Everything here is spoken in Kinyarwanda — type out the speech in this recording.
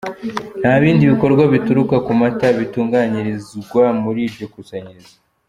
Nta bindi bikorwa bituruka ku mata bitunganyirizwa muri iryo kusanyirizo.